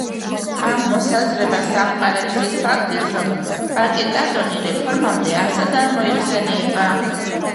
ამ მოსაზრებას ამყარებს ის ფაქტიც, რომ ბაკეტატონი რეფორმამდე არსად არ მოიხსენიება.